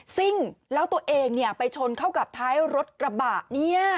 ซิ่งแล้วตัวเองไปชนเข้ากับท้ายรถกระบะเนี่ย